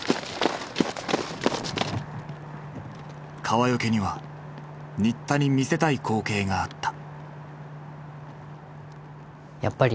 川除には新田に見せたい光景があった。